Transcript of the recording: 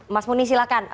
mas muni silakan